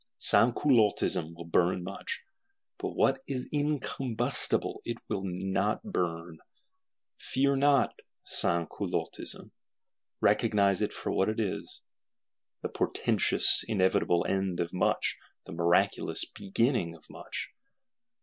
Sansculottism will burn much; but what is incombustible it will not burn. Fear not Sansculottism; recognise it for what it is, the portentous, inevitable end of much, the miraculous beginning of much.